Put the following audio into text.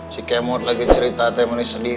si kemot lagi cerita temennya sedih